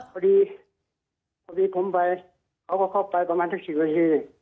พอดีพอดีผมไปเขาก็เข้าไปประมาณสัก๑๐นาที